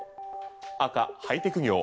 赤、ハイテク業。